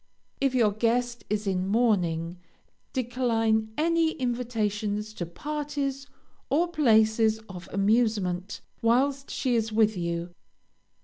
If your guest is in mourning, decline any invitations to parties or places of amusement whilst she is with you.